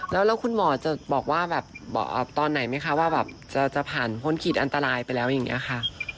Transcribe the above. แล้วคุณหมอจะบอกว่าแบบตอนไหนไหมคะว่าแบบจะผ่านพ้นขีดอันตรายไปแล้วอย่างนี้ค่ะ